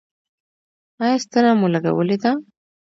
ایا ستنه مو لګولې ده؟